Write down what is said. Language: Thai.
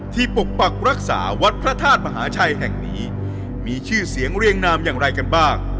ปกปักรักษาวัดพระธาตุมหาชัยแห่งนี้มีชื่อเสียงเรียงนามอย่างไรกันบ้าง